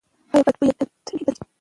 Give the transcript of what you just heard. ایا بد بوی تل بد دی؟